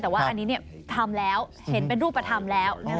แต่ว่าอันนี้ทำแล้วเห็นเป็นรูปธรรมแล้ว